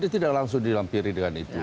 dia tidak langsung dilampiri dengan itu